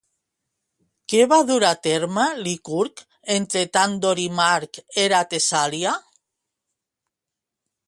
Què va dur a terme Licurg entretant Dorimac era a Tessàlia?